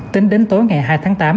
tính đến tối ngày hai tháng tám